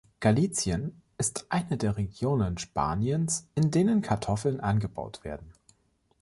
Galicien ist eine der Regionen Spaniens, in denen Kartoffeln angebaut werden.